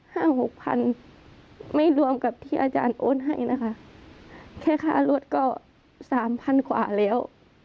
หกพันไม่รวมกับที่อาจารย์โอนให้นะคะแค่ค่ารถก็สามพันกว่าแล้ว